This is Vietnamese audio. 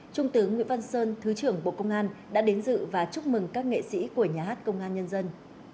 trung tướng nguyễn văn sơn thứ trưởng bộ công an đã đến dự và chúc mừng các nghệ sĩ của nhà hát công an nhân dân